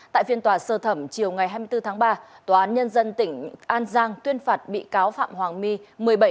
tại phiên tòa sơ thẩm chiều ngày hai mươi bốn tháng ba tòa án nhân dân tỉnh an giang tuyên phạt bị cáo phạm hoàng my